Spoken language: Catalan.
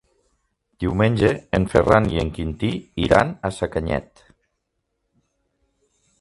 Diumenge en Ferran i en Quintí iran a Sacanyet.